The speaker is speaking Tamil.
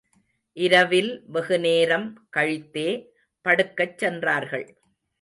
இரவில் வெகுநேரம் கழித்தே படுக்கச் சென்றார்கள்.